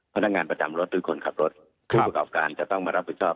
ของพนักงานประจำรถหรือคนขับรถครับควรตอบการจะต้องมารับผู้ชอบ